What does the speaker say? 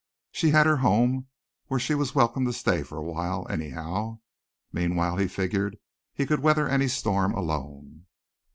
She had her home where she was welcome to stay for a while anyhow. Meanwhile he figured he could weather any storm alone.